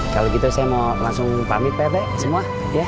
kalau gitu saya mau langsung pamit pak rt semua ya